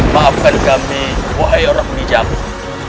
maafkan kami wahai orang pun dijangkut